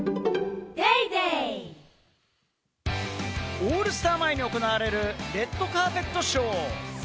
オールスター前に行われるレッドカーペットショー。